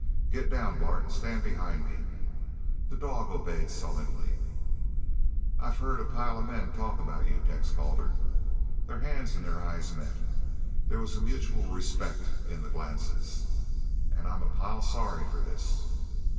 "Git down, Bart. Stand behind me!" The dog obeyed sullenly. "I've heard a pile of men talk about you, Tex Calder." Their hands and their eyes met. There was a mutual respect in the glances. "An' I'm a pile sorry for this."